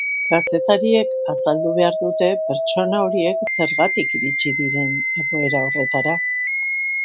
Kazetariek azaldu behar dute pertsona horiek zergatik iritsi diren egoera horretara.